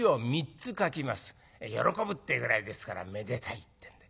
「喜ぶ」っていうぐらいですからめでたいってんで。